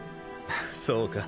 そうか。